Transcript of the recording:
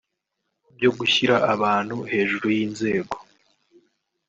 byo gushyira abantu hejuru y’inzego